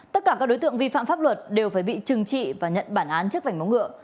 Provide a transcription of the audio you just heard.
tất cả các đối tượng vi phạm pháp luật đều phải bị trừng trị và nhận bản án trước vảnh móng ngựa